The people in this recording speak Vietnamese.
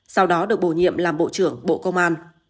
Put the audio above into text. sau đó được bổ nhiệm làm bộ trưởng bộ công an